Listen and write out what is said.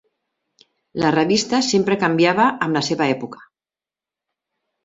La revista sempre canviava amb la seva època.